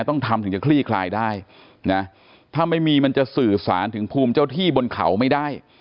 ต้องทำถึงจะคลี่คลายได้นะถ้าไม่มีมันจะสื่อสารถึงภูมิเจ้าที่บนเขาไม่ได้